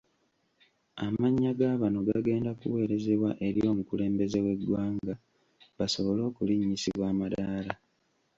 Amannya gabano gagenda kuweerezebwa eri omukulembeze we ggwanga basobole okulinnyisibwa amadaala.